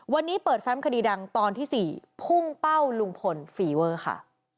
วันนี้เปิดแฟมคดีดังตอนที่๔พุ่งเป้าลุงพลฟีเวอร์ค่ะ